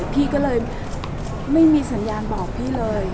พี่ก็เลยไม่มีสัญญาณบอกพี่เลย